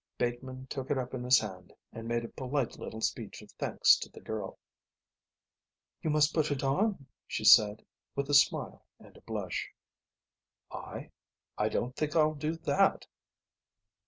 Bateman took it up in his hand and made a polite little speech of thanks to the girl. "You must put it on," she said, with a smile and a blush. "I? I don't think I'll do that."